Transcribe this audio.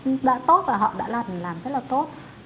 cũng đã tốt và họ đã làm rất là tốt